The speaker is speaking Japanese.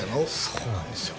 そうなんですよ